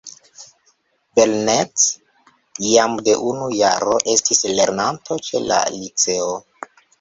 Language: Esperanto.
Belnett jam de unu jaro estis lernanto ĉe la liceo.